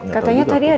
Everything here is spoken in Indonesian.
katanya tadi ada